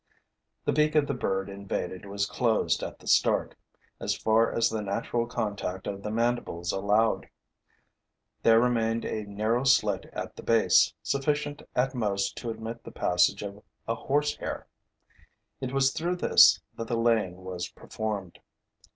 The beak of the bird invaded was closed at the start, as far as the natural contact of the mandibles allowed. There remained a narrow slit at the base, sufficient at most to admit the passage of a horsehair. It was through this that the laying was performed.